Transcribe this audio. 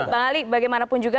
bang ali bagaimanapun juga